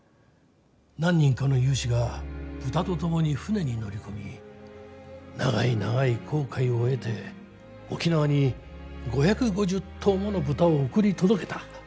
何人かの有志が豚と共に船に乗り込み長い長い航海を経て沖縄に５５０頭もの豚を送り届けた。